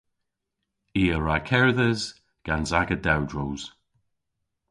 I a wra kerdhes gans aga dewdros.